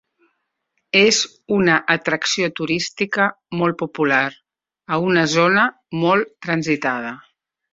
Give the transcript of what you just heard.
És una atracció turística molt popular, a una zona molt transitada.